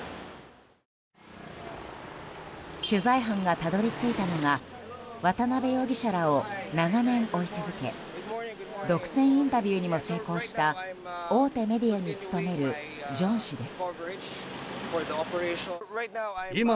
取材班がたどり着いたのが渡邉容疑者らを長年追い続け独占インタビューにも成功した大手メディアに勤めるジョン氏です。